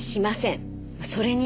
それに。